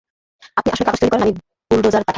আপনি আসল কাগজ, তৈরি করেন, আমি বুল্ডোজার পাঠাচ্ছি।